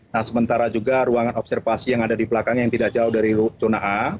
nah sementara juga ruangan observasi yang ada di belakangnya yang tidak jauh dari zona a